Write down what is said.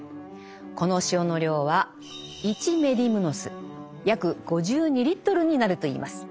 この塩の量は１メディムノス約５２リットルになるといいます。